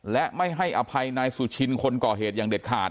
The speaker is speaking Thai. และไม่ให้อภัยนายสุชินคนก่อเหตุอย่างเด็ดขาด